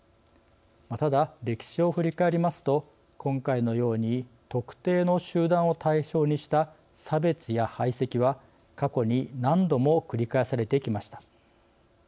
ただ、歴史を振り返りますと今回のように特定の集団を対象にした差別や排斥は過去に何度も繰り返されてきました。